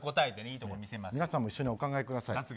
皆さんも一緒にお考えください。